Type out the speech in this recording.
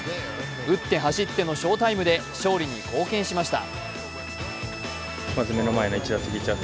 打って走っての翔タイムで勝利に貢献しました。